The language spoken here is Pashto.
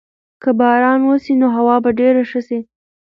که باران وسي نو هوا به ډېره ښه سي.